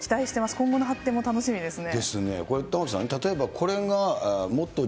今後の発展も楽しみですね。